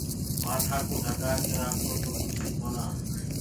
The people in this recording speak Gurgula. مآٿآ ڪو ڍڪآ ڪي رآکو تو دُکسي ڪونآ۔